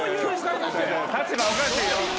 立場おかしいよ。